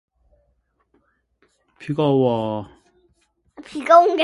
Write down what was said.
With extra stank on it.